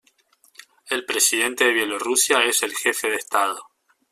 El presidente de Bielorrusia es el jefe de Estado.